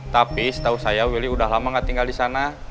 tapi setau saya willy udah lama gak tinggal disana